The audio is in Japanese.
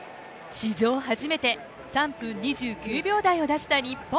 史上初めて３分２９秒台を出した日本。